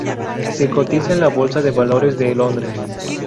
Se cotiza en la Bolsa de Valores de Londres.